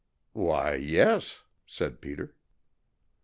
_" "Why, yes," said Peter.